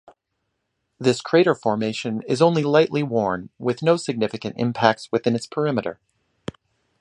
This crater formation is only lightly worn, with no significant impacts within its perimeter.